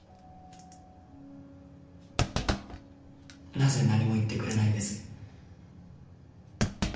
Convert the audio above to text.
なぜ何も言ってくれないんです？